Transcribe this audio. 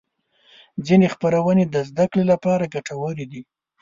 ځینې خپرونې د زدهکړې لپاره ګټورې دي.